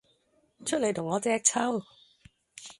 出黎同我隻揪!